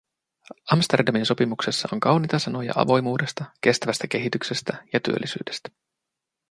Amsterdamin sopimuksessa on kauniita sanoja avoimuudesta, kestävästä kehityksestä ja työllisyydestä.